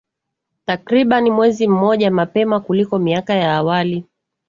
takriban mwezi mmoja mapema kuliko miaka ya awali